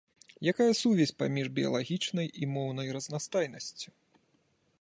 Якая сувязь паміж біялагічнай і моўнай разнастайнасцю?